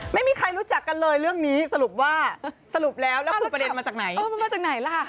ไม่มีใครรู้จักกันเลยเรื่องนี้อ้ะสรุปแล้วประเด็นมันจึงมาจากไหน